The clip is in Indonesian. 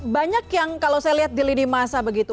banyak yang kalau saya lihat di lini masa begitu